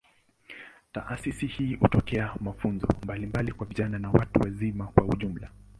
Taasisi hii hutoa mafunzo mbalimbali kwa vijana na watu wazima kwa ujumla.